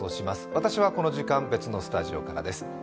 私はこの時間、別のスタジオからです。